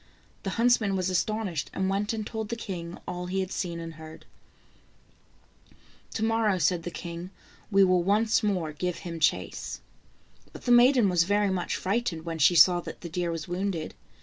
The huntsman was astonished, and went and told the king all he had seen and heard. "To morrow," said the king, "we will once more give him chase." But the maiden was very much frightened when she saw that the deer was wounded.